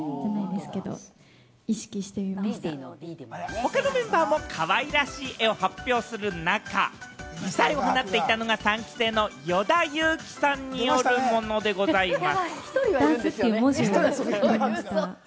他のメンバーもかわいらしい絵を発表する中、異彩を放っていたのが、３期生の与田祐希さんによるものでございます。